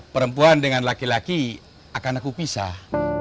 perempuan dengan laki laki akan aku pisah